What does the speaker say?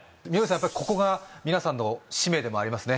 やっぱりここが皆さんの使命でもありますね